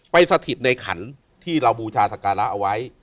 สถิตในขันที่เราบูชาสการะเอาไว้